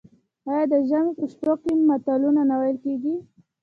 آیا د ژمي په شپو کې متلونه نه ویل کیږي؟